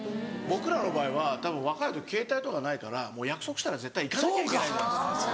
僕らの場合はたぶん若い時ケータイとかないからもう約束したら絶対行かなきゃいけないじゃないですか。